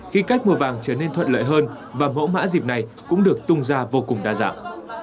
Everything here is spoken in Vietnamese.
khi cách mua vàng trở nên thuận lợi hơn và mẫu mã dịp này cũng được tung ra vô cùng đa dạng